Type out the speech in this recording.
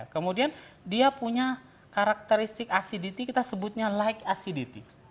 kemudian dia punya karakteristik acidity kita sebutnya like acidity